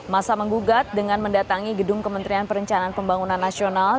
masa menggugat dengan mendatangi gedung kementerian perencanaan pembangunan nasional